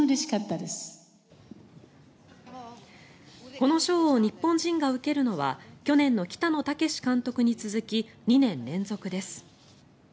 この賞を日本人が受けるのは去年の北野武監督に続き２年連続です。